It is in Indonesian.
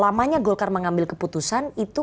lamanya golkar mengambil keputusan itu